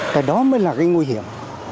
cái đó mới là cái nguy hiểm